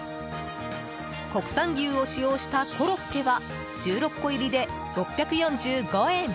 国産牛を使用したコロッケは１６個入りで６４５円。